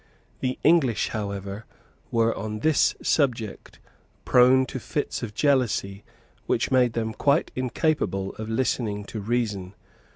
The English, however, were on this subject prone to fits of jealousy which made them quite incapable of listening to reason.